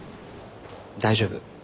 大丈夫。